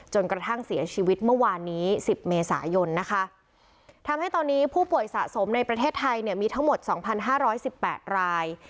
จนกระทั่งเสียชีวิตเมื่อวานนี้สิบเมษายนนะคะทำให้ตอนนี้ผู้ป่วยสะสมในประเทศไทยเนี่ยมีทั้งหมดสองพันห้าร้อยสิบแปดราย